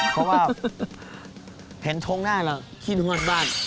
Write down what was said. เพราะว่าเห็นชงหน้าเราขี้นวดบ้าน